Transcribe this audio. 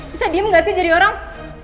bisa diem gak sih jadi orang